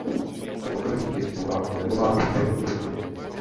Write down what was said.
Při okrajích je stuha lemována fialovými pruhy.